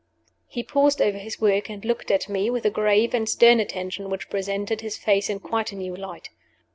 He paused over his work, and looked at me with a grave and stern attention which presented his face in quite a new light.